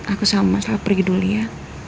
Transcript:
aku sama sama pergi dulu ya